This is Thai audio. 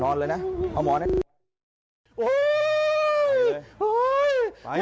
นอนเลยนะเอาหมอนะ